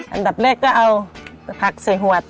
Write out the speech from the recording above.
อันดับแรกก็เอาผักใส่หวด